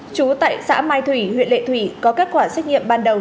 trú tại xã mai thủy huyện lệ thủy có kết quả xét nghiệm ban đầu